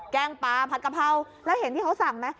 แกงปลาผัดกะเพราแล้วเห็นที่เขาสั่งไหม